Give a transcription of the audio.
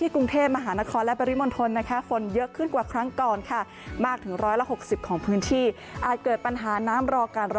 คลื่นสูง๑๒เมตร